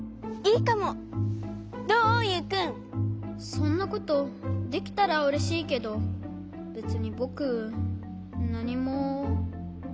そんなことできたらうれしいけどべつにぼくなにも。